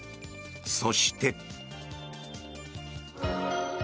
そして。